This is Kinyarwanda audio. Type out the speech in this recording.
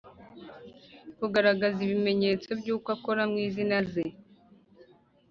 kugaragaza ibimenyetso by uko akora mu izina ze